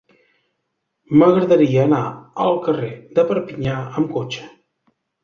M'agradaria anar al carrer de Perpinyà amb cotxe.